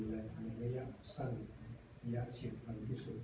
ยังไม่อยากเชื่อมความที่สุด